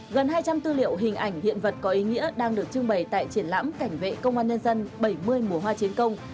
gần hai trăm linh tư liệu hình ảnh hiện vật có ý nghĩa đang được trưng bày tại triển lãm cảnh vệ công an nhân dân bảy mươi mùa hoa chiến công